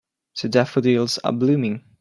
The daffodils are blooming.